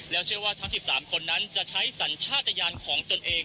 แล้วทั้ง๑๓คนนั้นจะใช้สัญชาติยานของตัวเอง